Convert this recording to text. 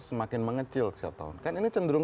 semakin mengecil setiap tahun kan ini cenderung